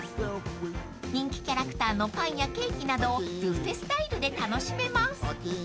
［人気キャラクターのパンやケーキなどをブッフェスタイルで楽しめます］